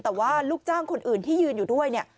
แต่ว่าลูกจ้างคนอื่นที่ยืนอยู่ด้วยเนี่ย